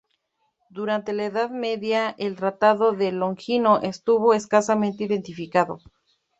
Durante la Edad Media el tratado de Longino estuvo escasamente identificado.